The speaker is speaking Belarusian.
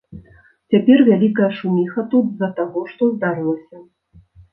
Цяпер вялікая шуміха тут з-за таго, што здарылася.